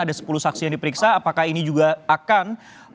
ada sepuluh saksi yang diperiksa apakah ini juga akan